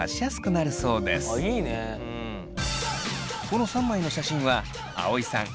この３枚の写真は葵さん